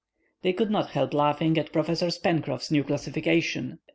They could not help laughing at Professor Pencroff's new classification.